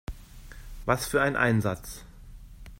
Was für ein Einsatz!